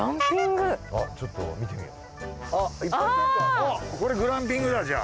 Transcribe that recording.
ちょっと見てみよう。